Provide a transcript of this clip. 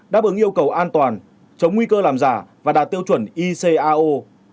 đáp ứng yêu cầu an toàn chống nguy cơ làm giả và đạt tiêu chuẩn icao